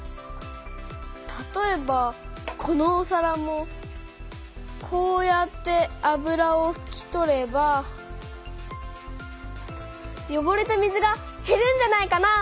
たとえばこのおさらもこうやって油をふき取ればよごれた水がへるんじゃないかな？